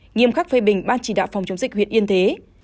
nghiêm khắc phê bình ban chỉ đạo phòng chống dịch huyện yên thế